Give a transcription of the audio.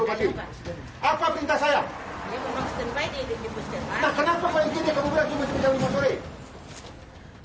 nah kenapa kayak gini kamu berarti masih menjalin lima sore